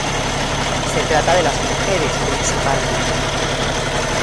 Se trata de las mujeres, principalmente.